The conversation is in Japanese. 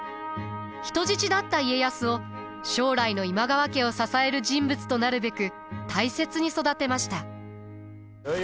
人質だった家康を将来の今川家を支える人物となるべく大切に育てました。